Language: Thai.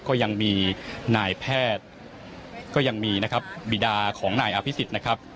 ก็ยังมีนายแพทย์ก็ยังมีนะครับบีดาของนายอภิษฎนะครับ